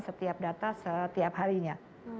setiap data setiap harinya